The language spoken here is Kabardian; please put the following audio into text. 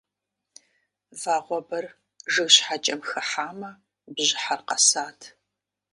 Вагъуэбэр жыг щхьэкӀэм хыхьамэ бжьыхьэр къэсат.